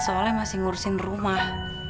soalnya masih ngurusin rumah